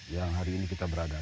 yang hari ini kita berada